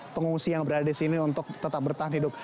pengungsi yang berada di sini untuk tetap bertahan hidup